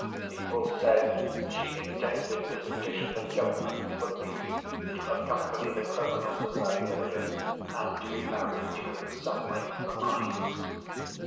People said she intended to petition the Government for leave to accompany the criminal to Siberia and to be married to him somewhere in the mines.